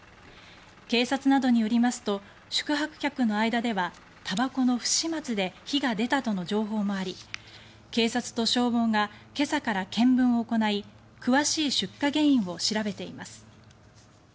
警察などによりますと宿泊客の間ではたばこの不始末で火が出たとの情報もあり警察と消防が今朝から見分を行い詳しい出火原因を調べています。